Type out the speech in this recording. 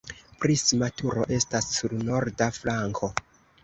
Prisma turo estas sur norda flanko.